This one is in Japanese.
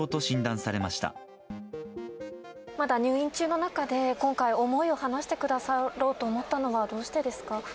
まだ入院中の中で、今回、思いを話してくださろうと思ったのはどうしてですか。